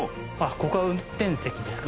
ここは運転席ですか。